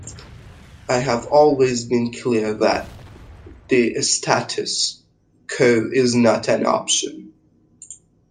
I have always been clear that the status quo is not an option.